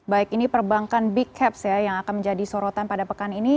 baik ini perbankan big caps ya yang akan menjadi sorotan pada pekan ini